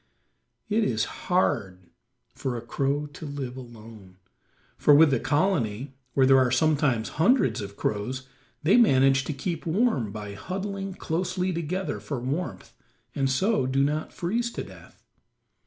It is hard for a crow to live alone, for with the colony, where there are sometimes hundreds of crows, they manage to keep warm by huddling closely together for warmth, and so do not freeze to death.